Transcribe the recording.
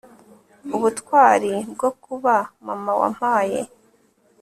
ubutwari bwo kuba mama wampaye